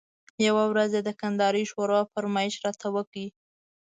یوه ورځ یې د کندارۍ ښوروا فرمایش راته وکړ.